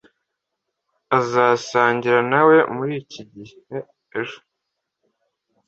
Azasangira na we muri iki gihe ejo.